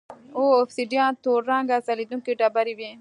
اوبسیدیان تور رنګه ځلېدونکې ډبرې وې